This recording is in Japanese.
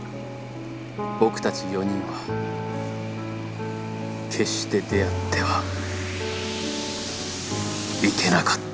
僕たち４人は決して出会ってはいけなかった